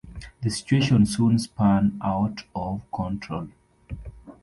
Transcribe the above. The situation soon spun out of control.